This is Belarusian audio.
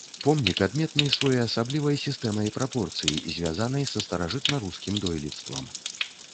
Помнік адметны своеасаблівай сістэмай прапорцый, звязанай са старажытна-рускім дойлідствам.